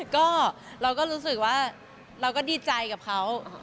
ก็เราก็รู้สึกว่าเราก็ดีใจกับเขา